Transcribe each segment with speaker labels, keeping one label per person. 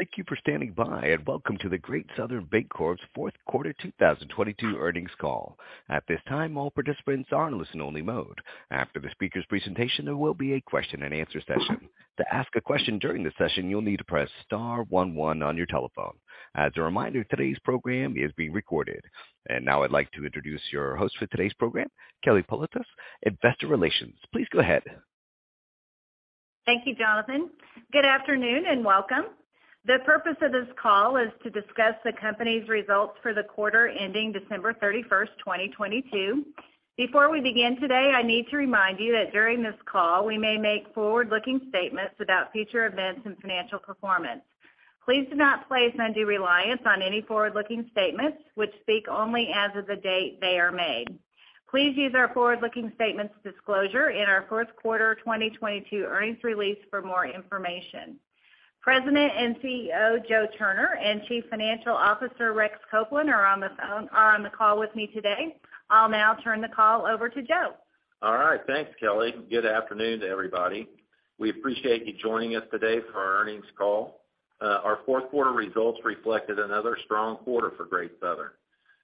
Speaker 1: Thank you for standing by, welcome to the Great Southern Bancorp's Fourth Quarter 2022 Earnings Call. At this time, all participants are in listen only mode. After the speaker's presentation, there will be a question and answer session. To ask a question during the session, you'll need to press star one one on your telephone. As a reminder, today's program is being recorded. Now I'd like to introduce your host for today's program, Kelly Polonus, investor relations. Please go ahead.
Speaker 2: Thank you Jonathan. Good afternoon and welcome. The purpose of this call is to discuss the company's results for the quarter ending December 31st, 2022. Before we begin today, I need to remind you that during this call, we may make forward-looking statements about future events and financial performance. Please do not place undue reliance on any forward-looking statements which speak only as of the date they are made. Please use our forward-looking statements disclosure in our fourth quarter 2022 earnings release for more information. President and CEO, Joe Turner, and Chief Financial Officer, Rex Copeland, are on the call with me today. I'll now turn the call over to Joe.
Speaker 3: All right. Thanks Kelly. Good afternoon to everybody. We appreciate you joining us today for our earnings call. Our fourth quarter results reflected another strong quarter for Great Southern.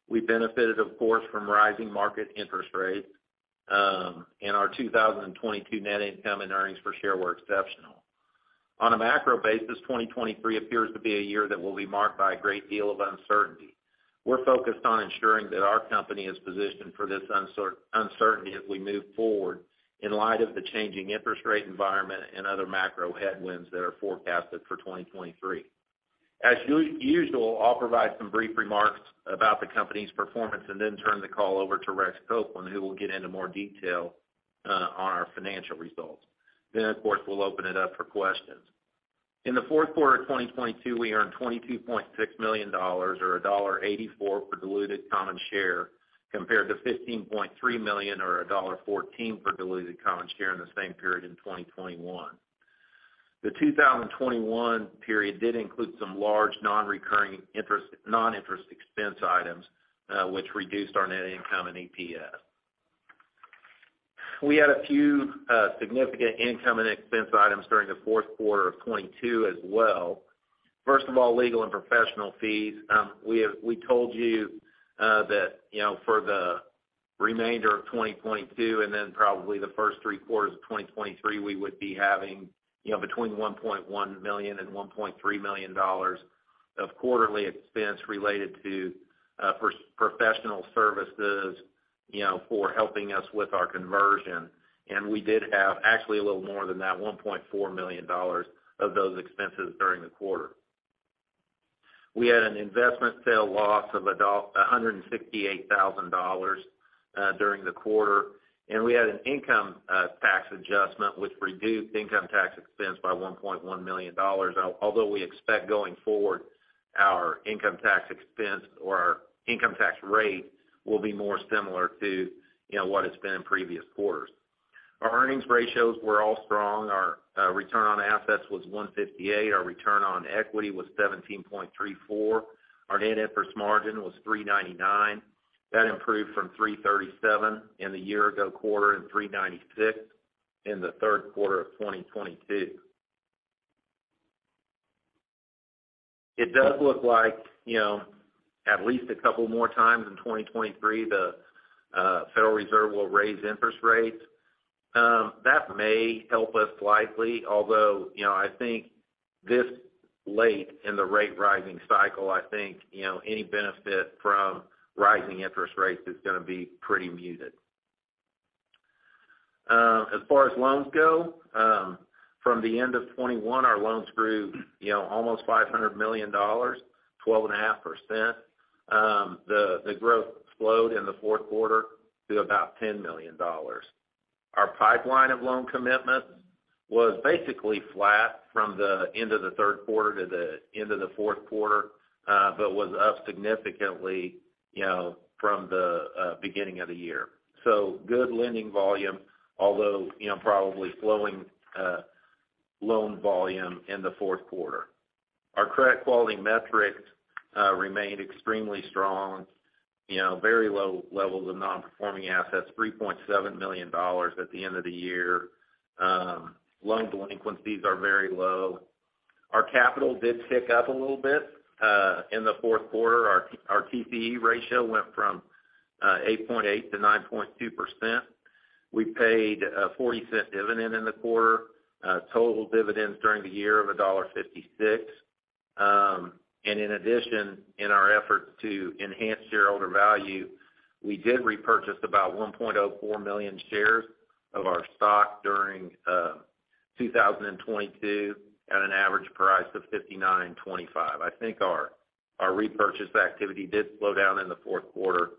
Speaker 3: We benefited, of course, from rising market interest rates, and our 2022 net income and earnings per share were exceptional. On a macro basis, 2023 appears to be a year that will be marked by a great deal of uncertainty. We're focused on ensuring that our company is positioned for this uncertainty as we move forward in light of the changing interest rate environment and other macro headwinds that are forecasted for 2023. As usual, I'll provide some brief remarks about the company's performance and then turn the call over to Rex Copeland, who will get into more detail on our financial results. Of course, we'll open it up for questions. In the fourth quarter of 2022, we earned $22.6 million or $1.84 per diluted common share, compared to $15.3 million or $1.14 per diluted common share in the same period in 2021. The 2021 period did include some large non-interest expense items, which reduced our net income and EPS. We had a few significant income and expense items during the fourth quarter of 2022 as well. First of all, legal and professional fees. We told you that, you know, for the remainder of 2022 and then probably the first three quarters of 2023, we would be having, you know, between $1.1 million-$1.3 million of quarterly expense related to pro-professional services, you know, for helping us with our conversion. We did have actually a little more than that, $1.4 million of those expenses during the quarter. We had an investment sale loss of $168,000 during the quarter, and we had an income tax adjustment, which reduced income tax expense by $1.1 million. Although we expect going forward, our income tax expense or our income tax rate will be more similar to, you know, what it's been in previous quarters. Our earnings ratios were all strong. Our return on assets was 1.58, our return on equity was 17.34. Our net interest margin was 3.99. That improved from 3.37 in the year ago quarter and 3.96 in the third quarter of 2022. It does look like, you know, at least a couple more times in 2023, the Federal Reserve will raise interest rates. That may help us slightly, although, you know, I think this late in the rate-rising cycle, I think, you know, any benefit from rising interest rates is gonna be pretty muted. As far as loans go, from the end of 2021, our loans grew, you know, almost $500 million, 12.5%. The growth slowed in the fourth quarter to about $10 million. Our pipeline of loan commitments was basically flat from the end of the third quarter to the end of the fourth quarter, but was up significantly, you know, from the beginning of the year. Good lending volume, although, you know, probably slowing loan volume in the fourth quarter. Our credit quality metrics remain extremely strong. You know, very low levels of non-performing assets, $3.7 million at the end of the year. Loan delinquencies are very low. Our capital did tick up a little bit in the fourth quarter. Our TCE ratio went from 8.8%-9.2%. We paid a $0.40 dividend in the quarter, total dividends during the year of $1.56. In addition, in our efforts to enhance shareholder value, we did repurchase about 1.04 million shares of our stock during 2022 at an average price of $59.25. I think our repurchase activity did slow down in the fourth quarter,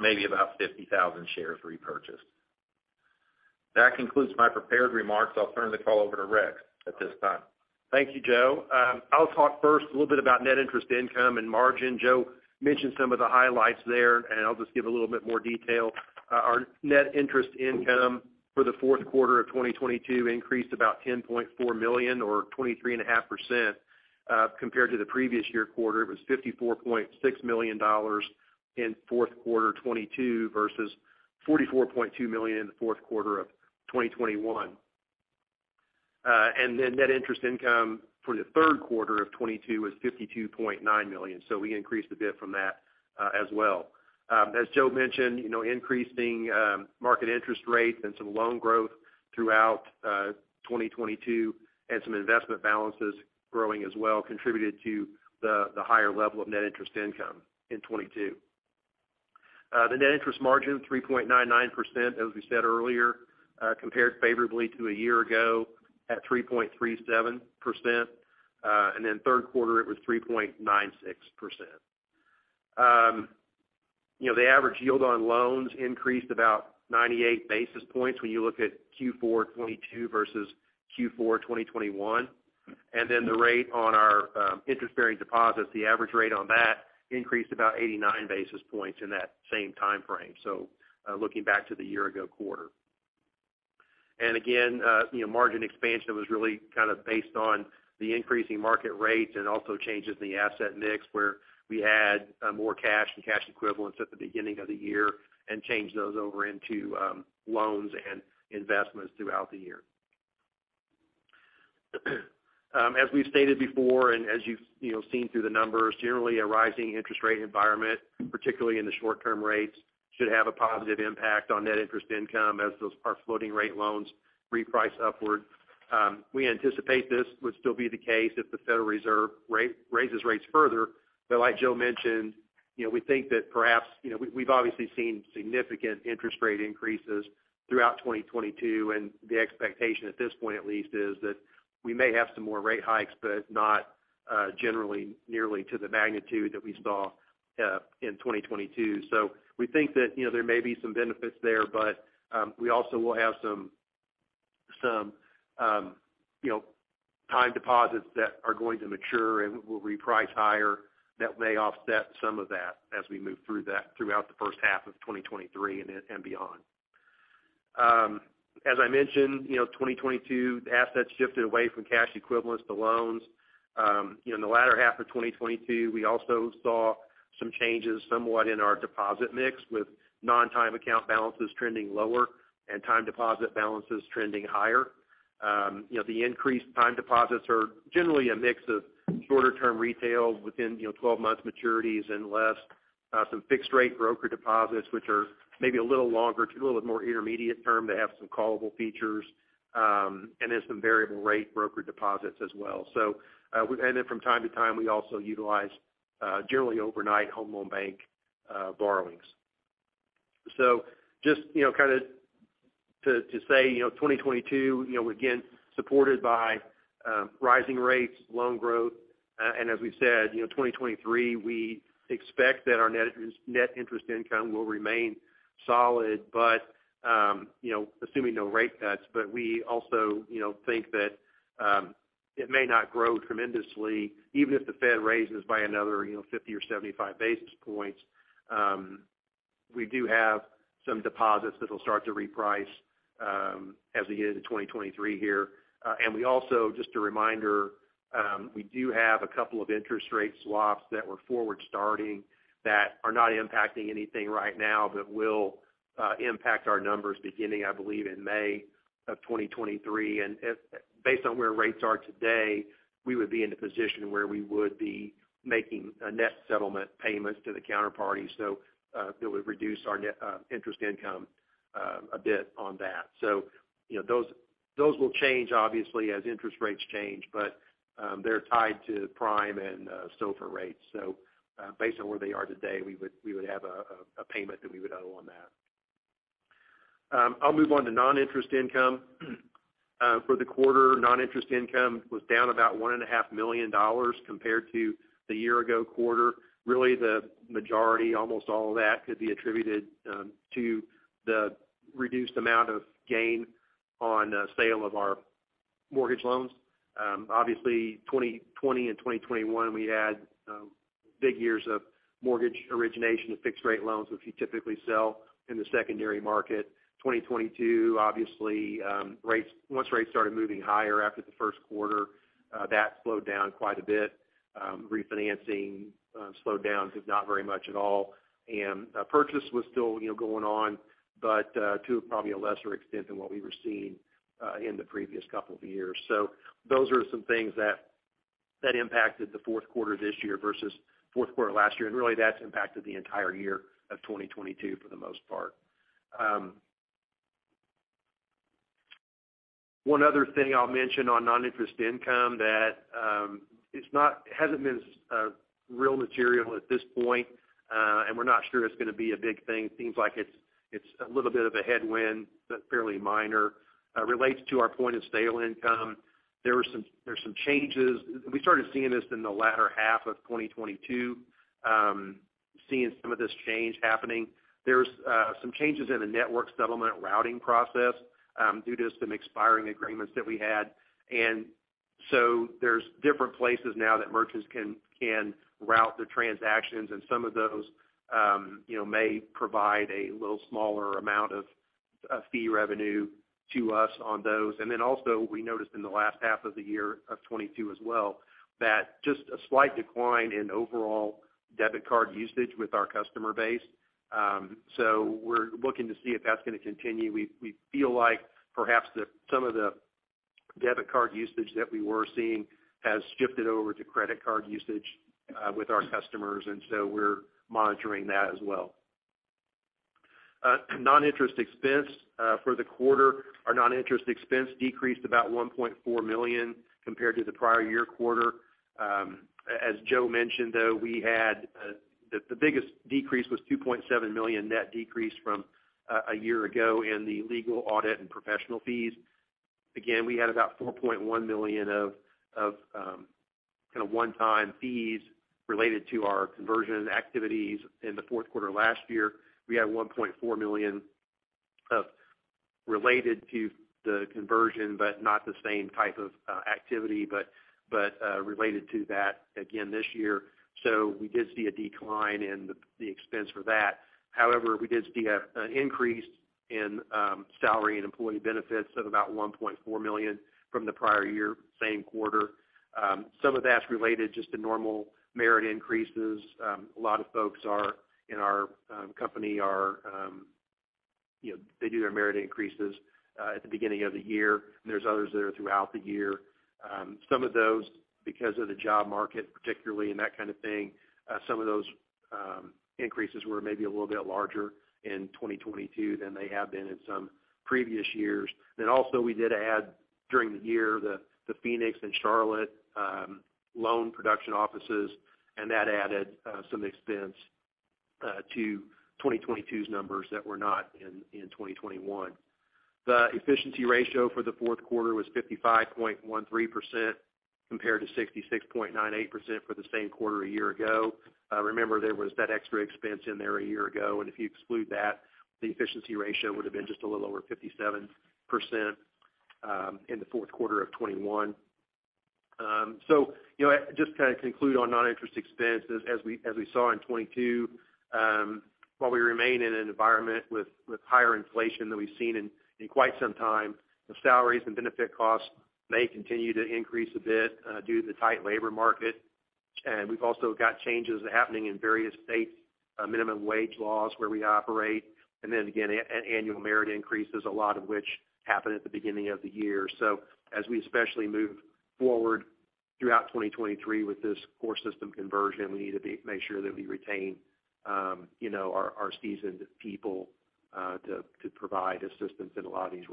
Speaker 3: maybe about 50,000 shares repurchased. That concludes my prepared remarks. I'll turn the call over to Rex at this time.
Speaker 1: Thank you Joe. I'll talk first a little bit about net interest income and margin. Joe mentioned some of the highlights there. I'll just give a little bit more detail. Our net interest income for the fourth quarter of 2022 increased about $10.4 million or 23.5%.
Speaker 4: Compared to the previous year quarter, it was $54.6 million in fourth quarter 2022 versus $44.2 million in the fourth quarter of 2021. Net interest income for the third quarter of 2022 was $52.9 million, so we increased a bit from that as well. As Joe mentioned, you know, increasing market interest rates and some loan growth throughout 2022 and some investment balances growing as well contributed to the higher level of net interest income in 2022. The net interest margin 3.99%, as we said earlier, compared favorably to a year ago at 3.37%. Third quarter it was 3.96%. You know, the average yield on loans increased about 98 basis points when you look at Q4 2022 versus Q4 2021. The rate on our interest-bearing deposits, the average rate on that increased about 89 basis points in that same time frame, so, looking back to the year ago quarter. You know, margin expansion was really kind of based on the increasing market rates and also changes in the asset mix, where we had more cash and cash equivalents at the beginning of the year and changed those over into loans and investments throughout the year. As we've stated before, and as you've, you know, seen through the numbers, generally a rising interest rate environment, particularly in the short-term rates, should have a positive impact on net interest income as those, our floating rate loans reprice upward. We anticipate this would still be the case if the Federal Reserve raises rates further. Like Joe mentioned, you know, we think that perhaps, you know, we've obviously seen significant interest rate increases throughout 2022, and the expectation at this point at least, is that we may have some more rate hikes, but not generally nearly to the magnitude that we saw in 2022. We think that, you know, there may be some benefits there, but we also will have some time deposits that are going to mature and will reprice higher that may offset some of that as we move throughout the H1 of 2023 and then, and beyond. As I mentioned, you know, 2022, the assets shifted away from cash equivalents to loans. You know, in the latter half of 2022, we also saw some changes somewhat in our deposit mix, with non-time account balances trending lower and time deposit balances trending higher. You know, the increased time deposits are generally a mix of shorter term retail within, you know, 12 months maturities and less, some fixed rate broker deposits, which are maybe a little longer a little more intermediate term. They have some callable features, and then some variable rate broker deposits as well. From time to time, we also utilize, generally overnight Home Loan Bank, borrowings. Just, you know, kind of to say, you know, 2022, you know, again, supported by rising rates, loan growth, and as we've said, you know, 2023, we expect that our net interest income will remain solid. Assuming no rate cuts, but we also, you know, think that it may not grow tremendously, even if the Fed raises by another, you know, 50 or 75 basis points. We do have some deposits that'll start to reprice as we get into 2023 here. We also, just a reminder, we do have a couple of interest rate swaps that we're forward starting that are not impacting anything right now, but will impact our numbers beginning, I believe in May of 2023. If, based on where rates are today, we would be in the position where we would be making a net settlement payments to the counterparty, that would reduce our net interest income a bit on that. You know, those will change obviously as interest rates change, but they're tied to prime and SOFR rates. Based on where they are today, we would have a payment that we would owe on that. I'll move on to non-interest income. For the quarter, non-interest income was down about $1.5 million compared to the year ago quarter. Really the majority, almost all of that could be attributed to the reduced amount of gain on the sale of our mortgage loans. Obviously 2020 and 2021, we had big years of mortgage origination of fixed rate loans, which you typically sell in the secondary market. 2022, obviously, once rates started moving higher after the first quarter, that slowed down quite a bit. Refinancing slowed down to not very much at all. Purchase was still, you know, going on, but to probably a lesser extent than what we were seeing in the previous couple of years. Those are some things that impacted the fourth quarter this year versus fourth quarter last year, and really that's impacted the entire year of 2022 for the most part. One other thing I'll mention on non-interest income that hasn't been real material at this point, and we're not sure it's gonna be a big thing, seems like it's a little bit of a headwind, but fairly minor, relates to our point-of-sale income. There's some changes. We started seeing this in the latter half of 2022, seeing some of this change happening. There's some changes in the network settlement routing process, due to some expiring agreements that we had. So there's different places now that merchants can route their transactions, and some of those, you know, may provide a little smaller amount of fee revenue to us on those. Also we noticed in the last half of the year of 2022 as well, that just a slight decline in overall debit card usage with our customer base. We're looking to see if that's gonna continue. We feel like perhaps some of the debit card usage that we were seeing has shifted over to credit card usage with our customers, we're monitoring that as well. Non-interest expense for the quarter, our non-interest expense decreased about $1.4 million compared to the prior year quarter. As Joe mentioned, though, we had the biggest decrease was $2.7 million net decrease from a year ago in the legal audit and professional fees. We had about $4.1 million of kinda one-time fees related to our conversion activities in the fourth quarter last year. We had $1.4 million of related to the conversion, but not the same type of activity, but related to that again this year. We did see a decline in the expense for that. We did see an increase in salary and employee benefits of about $1.4 million from the prior year, same quarter. Some of that's related just to normal merit increases. A lot of folks are in our company are, you know, they do their merit increases at the beginning of the year, and there's others that are throughout the year. Some of those because of the job market particularly and that kind of thing, some of those increases were maybe a little bit larger in 2022 than they have been in some previous years. We did add during the year, the Phoenix and Charlotte loan production offices, and that added some expense to 2022's numbers that were not in 2021. The Efficiency Ratio for the fourth quarter was 55.13% compared to 66.98% for the same quarter a year ago. Remember there was that extra expense in there a year ago, if you exclude that, the Efficiency Ratio would've been just a little over 57% in the fourth quarter of 2021. You know, just to kind of conclude on non-interest expense as we saw in 2022, while we remain in an environment with higher inflation than we've seen in quite some time, the salaries and benefit costs may continue to increase a bit, due to the tight labor market. We've also got changes happening in various state, minimum wage laws where we operate. Again, annual merit increases a lot of which happen at the beginning of the year. As we especially move forward throughout 2023 with this core system conversion, we need to make sure that we retain, you know, our seasoned people, to provide assistance in a lot of these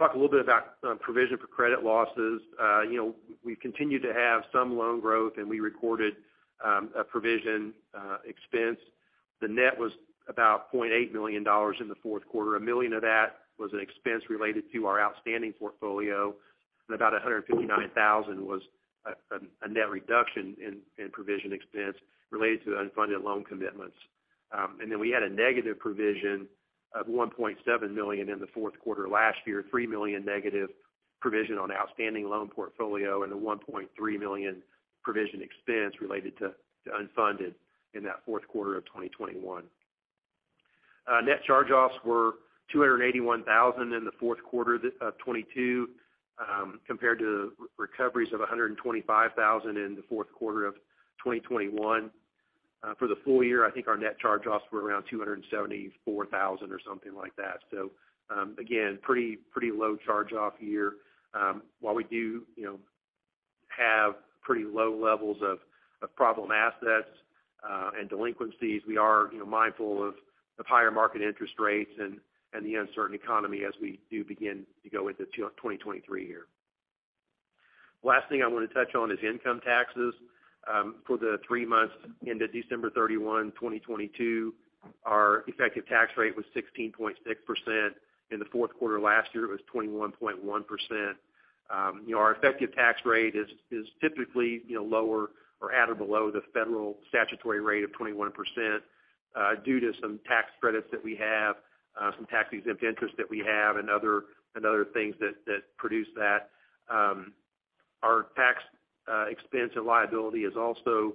Speaker 4: roles. Talk a little bit about Provision for Credit Losses. You know, we continue to have some loan growth, and we recorded a provision expense. The net was about $0.8 million in the fourth quarter. $1 million of that was an expense related to our outstanding portfolio, and about $159,000 was a net reduction in provision expense related to the unfunded loan commitments. Then we had a negative provision of $1.7 million in the fourth quarter last year, $3 million negative provision on outstanding loan portfolio, and a $1.3 million provision expense related to unfunded in that fourth quarter of 2021. Net charge-offs were $281,000 in the fourth quarter 2022, compared to recoveries of $125,000 in the fourth quarter of 2021. For the full year, I think our net charge-offs were around $274,000 or something like that. Again, pretty low charge-off year. While we do, you know, have pretty low levels of problem assets and delinquencies, we are, you know, mindful of higher market interest rates and the uncertain economy as we do begin to go into 2023 here. Last thing I want to touch on is income taxes. For the three months ended December 31, 2022, our effective tax rate was 16.6%. In the fourth quarter last year, it was 21.1%. You know, our effective tax rate is typically, you know, lower or at or below the federal statutory rate of 21%, due to some tax credits that we have, some tax-exempt interest that we have and other things that produce that. Our tax expense and liability is also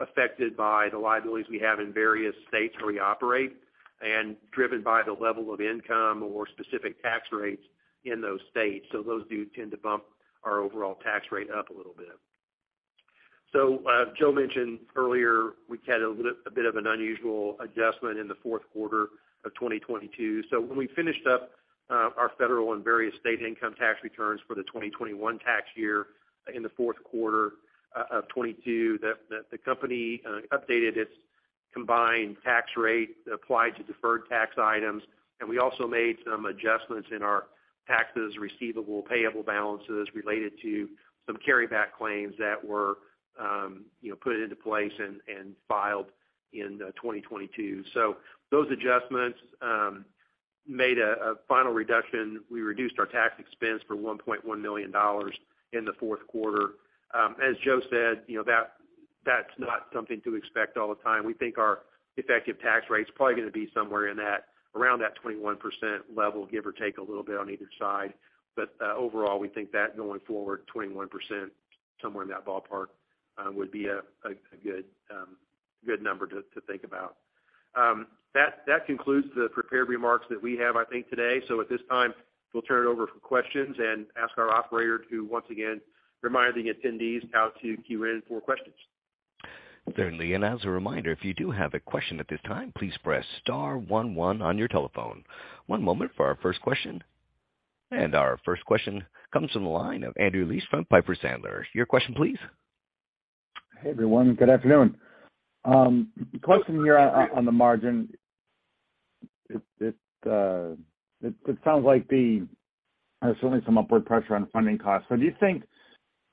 Speaker 4: affected by the liabilities we have in various states where we operate and driven by the level of income or specific tax rates in those states. Those do tend to bump our overall tax rate up a little bit. Joe mentioned earlier, we've had a bit of an unusual adjustment in the fourth quarter of 2022. When we finished up our Federal and various state income tax returns for the 2021 tax year in the fourth quarter of 2022, the company updated its combined tax rate applied to deferred tax items. We also made some adjustments in our taxes receivable payable balances related to some carryback claims that were, you know, put into place and filed in 2022. Those adjustments made a final reduction. We reduced our tax expense for $1.1 million in the fourth quarter. As Joe said, you know, that's not something to expect all the time. We think our effective tax rate's probably gonna be somewhere around that 21% level, give or take a little bit on either side. Overall, we think that going forward, 21% somewhere in that ballpark would be a good number to think about. That concludes the prepared remarks that we have, I think, today. At this time, we'll turn it over for questions and ask our operator to once again remind the attendees how to queue in for questions.
Speaker 1: Certainly. As a reminder, if you do have a question at this time, please press star one one on your telephone. One moment for our first question. Our first question comes from the line of Andrew Liesch from Piper Sandler. Your question please.
Speaker 5: Hey everyone. Good afternoon. Question here on the margin. It sounds like there's certainly some upward pressure on funding costs. Do you think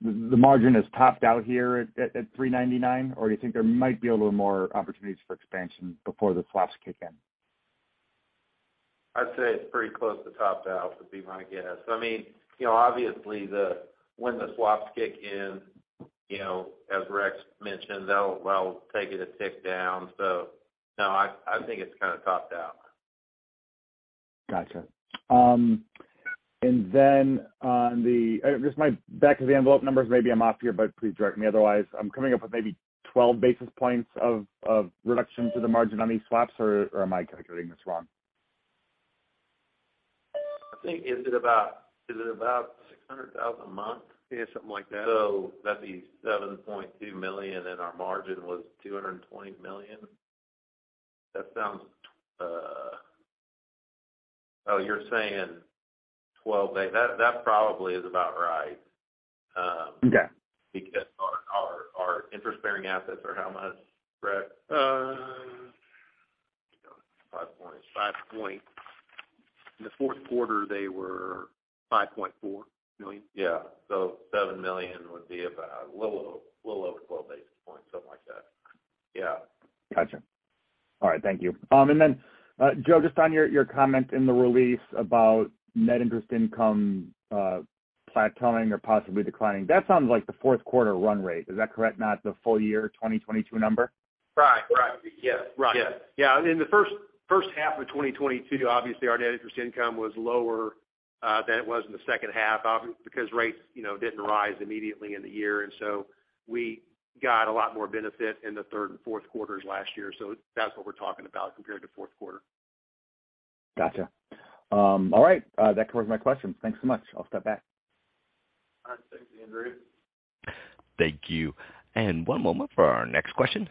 Speaker 5: the margin is topped out here at 3.99%, or you think there might be a little more opportunities for expansion before the interest rate swaps kick in?
Speaker 3: I'd say it's pretty close to topped out, if you want to guess. I mean, you know, obviously when the swaps kick in, you know, as Rex mentioned, that'll take it a tick down. No, I think it's kind of topped out.
Speaker 5: Gotcha. Just my back of the envelope numbers, maybe I'm off here, but please correct me otherwise. I'm coming up with maybe 12 basis points of reduction to the margin on these swaps, or am I calculating this wrong?
Speaker 3: I think, is it about, is it about $600,000 a month?
Speaker 5: Yeah, something like that.
Speaker 3: That'd be $7.2 million, and our margin was $220 million. That sounds. Oh, you're saying 12 base. That probably is about right.
Speaker 5: Okay.
Speaker 3: Our interest-bearing assets are how much, Rex?
Speaker 4: Uh.
Speaker 3: Five point.
Speaker 4: In the fourth quarter, they were $5.4 million.
Speaker 3: Yeah. $7 million would be about a little over 12 basis points, something like that. Yeah.
Speaker 5: Gotcha. All right, thank you. Joe, just on your comment in the release about net interest income, plateauing or possibly declining, that sounds like the fourth quarter run rate. Is that correct? Not the full year 2022 number.
Speaker 4: Right. Right. Yeah. Right.
Speaker 3: Yeah.
Speaker 4: Yeah. In the H1 of 2022, obviously our net interest income was lower than it was in the H2 because rates, you know, didn't rise immediately in the year, and so we got a lot more benefit in the third and fourth quarters last year. That's what we're talking about compared to fourth quarter.
Speaker 5: Gotcha. All right. That covers my questions. Thanks so much. I'll step back.
Speaker 3: All right. Thank you Andrew.
Speaker 1: Thank you. One moment for our next question.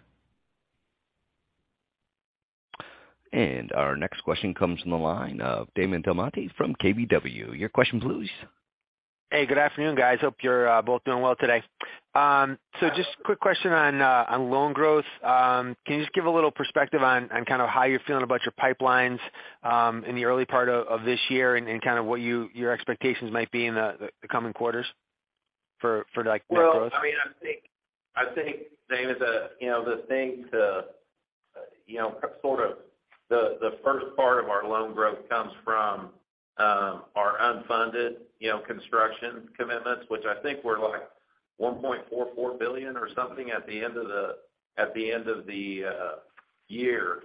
Speaker 1: Our next question comes from the line of Damon DelMonte from KBW. Your question, please.
Speaker 6: Hey, good afternoon guys. Hope you're both doing well today. Just quick question on loan growth. Can you just give a little perspective on kind of how you're feeling about your pipelines in the early part of this year and kind of what your expectations might be in the coming quarters for, like, net growth?
Speaker 3: I mean, I think, Damon, the thing to, sort of the first part of our loan growth comes from our unfunded construction commitments, which I think were, like, $1.44 billion or something at the end of the year.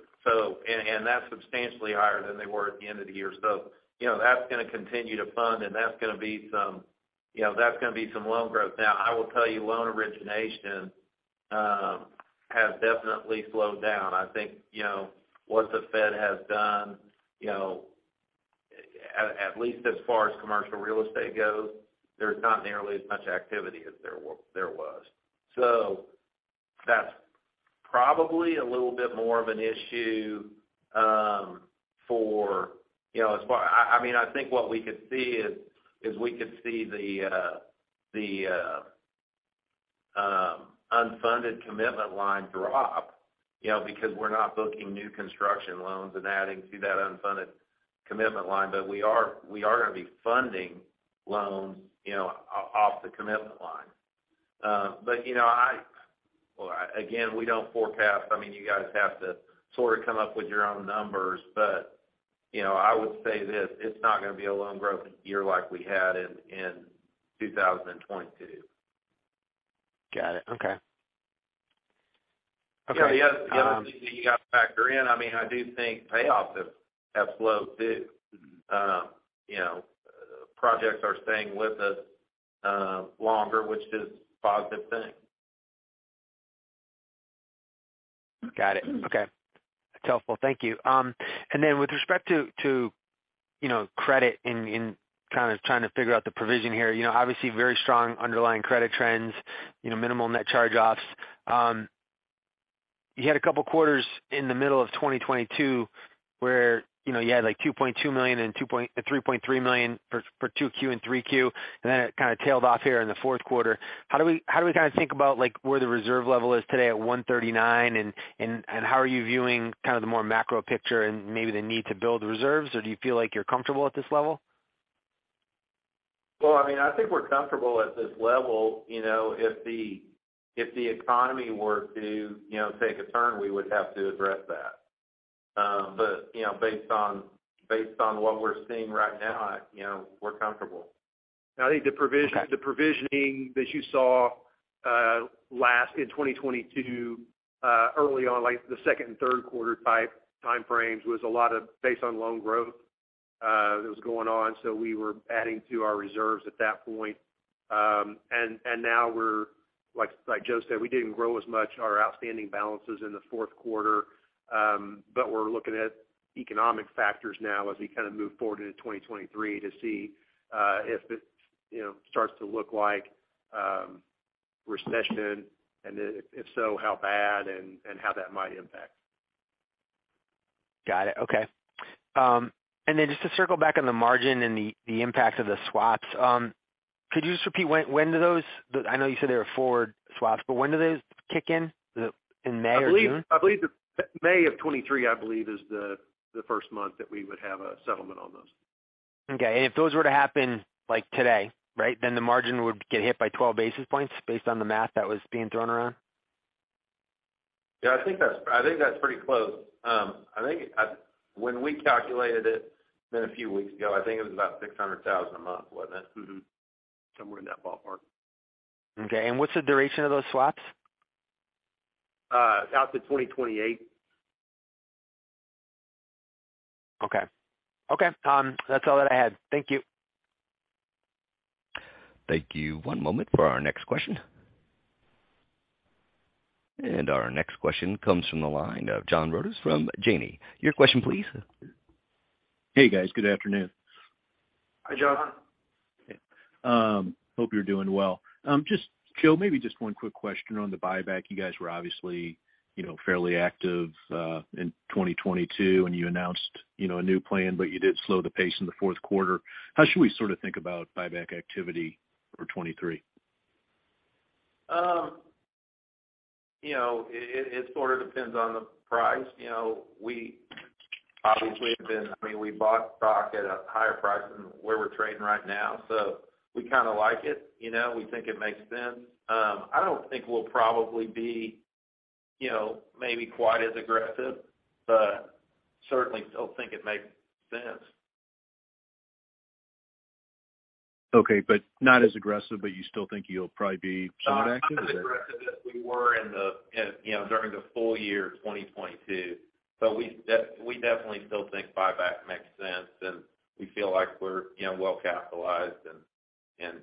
Speaker 3: That's substantially higher than they were at the end of the year. That's gonna continue to fund, and that's gonna be some loan growth. I will tell you, loan origination has definitely slowed down. I think what the Fed has done, at least as far as commercial real estate goes, there's not nearly as much activity as there was. That's probably a little bit more of an issue, for, you know, I mean, I think what we could see is we could see the unfunded commitment line drop, you know, because we're not booking new construction loans and adding to that unfunded commitment line. We are gonna be funding loans, you know, off the commitment line. Well, again, we don't forecast. I mean, you guys have to sort of come up with your own numbers. You know, I would say this, it's not gonna be a loan growth year like we had in 2022.
Speaker 6: Got it. Okay. Okay.
Speaker 3: The other thing that you gotta factor in, I mean, I do think payoffs have slowed too. You know projects are staying with us longer, which is a positive thing.
Speaker 6: Got it. Okay. That's helpful. Thank you. With respect to, you know, credit in kind of trying to figure out the provision here, you know, obviously very strong underlying credit trends, you know, minimal net charge-offs. You had a couple quarters in the middle of 2022 where, you know, you had like $2.2 million and $3.3 million for 2Q and 3Q, it kind of tailed off here in the fourth quarter. How do we kind of think about like where the reserve level is today at 139 and how are you viewing kind of the more macro picture and maybe the need to build reserves, or do you feel like you're comfortable at this level?
Speaker 3: Well, I mean, I think we're comfortable at this level. You know, if the economy were to, you know, take a turn, we would have to address that. You know, based on what we're seeing right now, you know, we're comfortable.
Speaker 4: I think the provision.
Speaker 6: Okay.
Speaker 4: The provisioning that you saw, last in 2022, early on, like the second and third quarter type time frames, was a lot of based on loan growth. That was going on, we were adding to our reserves at that point. Now we're like Joe said, we didn't grow as much our outstanding balances in the fourth quarter. We're looking at economic factors now as we kind of move forward into 2023 to see, if it, you know, starts to look like recession, and if so, how bad and how that might impact.
Speaker 6: Got it. Okay. Then just to circle back on the margin and the impact of the swaps, could you just repeat when do those, I know you said they were forward swaps, but when do they kick in? In May or June?
Speaker 3: I believe May of 2023, I believe, is the first month that we would have a settlement on those.
Speaker 6: Okay. If those were to happen, like, today, right? The margin would get hit by 12 basis points based on the math that was being thrown around.
Speaker 3: Yeah, I think that's pretty close. I think When we calculated it then a few weeks ago, I think it was about $600,000 a month, wasn't it?
Speaker 4: Mm-hmm. Somewhere in that ballpark.
Speaker 6: Okay. What's the duration of those swaps?
Speaker 3: Out to 2028.
Speaker 6: Okay. That's all that I had. Thank you.
Speaker 1: Thank you. One moment for our next question. Our next question comes from the line of John Rodis from Janney. Your question please.
Speaker 7: Hey, guys. Good afternoon.
Speaker 3: Hi, John.
Speaker 7: Okay. hope you're doing well. Just, Joe, maybe just one quick question on the buyback. You guys were obviously, you know, fairly active, in 2022. You announced, you know, a new plan, but you did slow the pace in the fourth quarter. How should we sort of think about buyback activity for 2023?
Speaker 3: You know, it sort of depends on the price. You know, we obviously, I mean, we bought stock at a higher price than where we're trading right now, so we kinda like it. You know, we think it makes sense. I don't think we'll probably be, you know, maybe quite as aggressive, but certainly still think it makes sense.
Speaker 7: Okay. Not as aggressive, but you still think you'll probably be somewhat active?
Speaker 3: Not as aggressive as we were in the, you know, during the full year of 2022. We definitely still think buyback makes sense, and we feel like we're, you know, well capitalized and,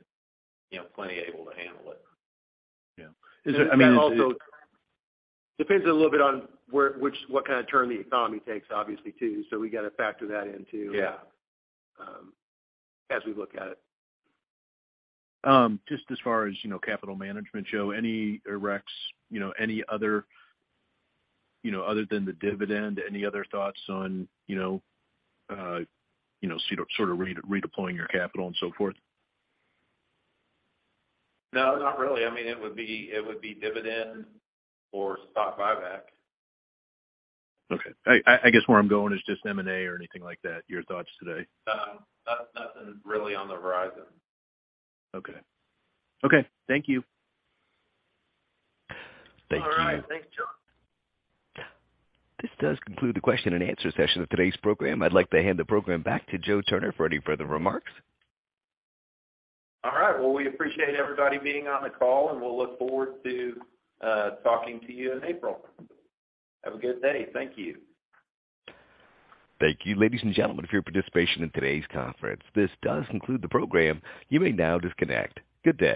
Speaker 3: you know, plenty able to handle it.
Speaker 7: Yeah. I mean, is it.
Speaker 4: Also depends a little bit on where, which what kind of turn the economy takes obviously too. We gotta factor that in too.
Speaker 3: Yeah.
Speaker 4: as we look at it.
Speaker 7: Just as far as, you know, capital management, Joe, any Rex, you know, any other, you know, other than the dividend, any other thoughts on, you know, redeploying your capital and so forth?
Speaker 3: No, not really. I mean, it would be dividend or stock buyback.
Speaker 7: Okay. I guess where I'm going is just M&A or anything like that, your thoughts today?
Speaker 3: No. Nothing, nothing really on the horizon.
Speaker 7: Okay. Okay. Thank you.
Speaker 1: Thank you.
Speaker 3: All right. Thanks, John.
Speaker 1: This does conclude the question and answer session of today's program. I'd like to hand the program back to Joe Turner for any further remarks.
Speaker 3: All right. Well, we appreciate everybody being on the call, and we'll look forward to talking to you in April. Have a good day. Thank you.
Speaker 1: Thank you, ladies and gentlemen, for your participation in today's conference. This does conclude the program. You may now disconnect. Good day.